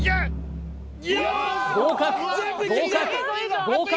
合格合格合格